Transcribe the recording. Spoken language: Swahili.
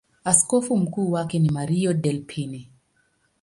Askofu mkuu wake ni Mario Delpini.